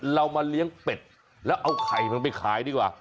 เรามาเลี้ยงเป็ดแล้วเอาไข่มันไปขายดีกว่า